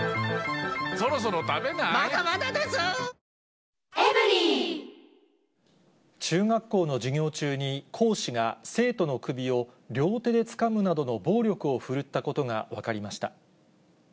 通夜ならびに葬儀については、中学校の授業中に、講師が生徒の首を両手でつかむなどの暴力を振るったことが分かりました。